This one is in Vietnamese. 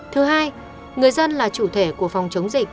thứ hai người dân là chủ thể của phòng chống dịch